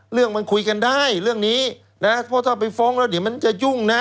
เรื่องมันคุยกันได้เรื่องนี้นะเพราะถ้าไปฟ้องแล้วเดี๋ยวมันจะยุ่งนะ